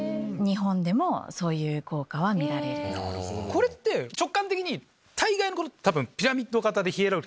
これって直感的に大概のこと。